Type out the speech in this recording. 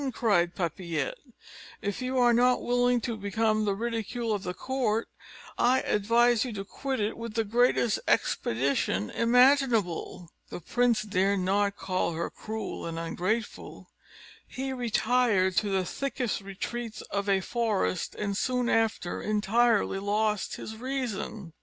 cried Papillette. "If you are not willing to become the ridicule of the court, I advise you to quit it with the greatest expedition imaginable." The prince dared not call her cruel and ungrateful: he retired to the thickest retreats of a forest, and soon after entirely lost his reason.